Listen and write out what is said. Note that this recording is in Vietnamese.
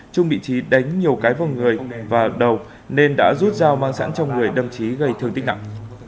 trung bị trí đánh nhiều cái vào người và đầu nên đã rút dao mang sẵn trong người đâm trí gây thương tích nặng